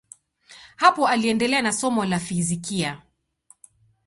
Hapo aliendelea na somo la fizikia.